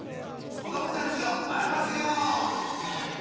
子どもたちを笑わせよう！